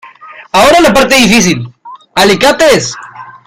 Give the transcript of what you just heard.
Ahora la parte difícil. ¡ Alicates!